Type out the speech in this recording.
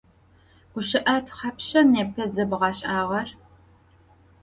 Guşı'e thapşşa nêpe zebğeş'ağer?